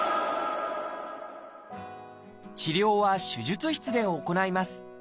治療は手術室で行います。